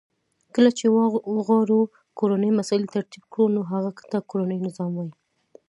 کله چی وغواړو کورنی مسایل ترتیب کړو نو هغه ته کورنی نظام وای .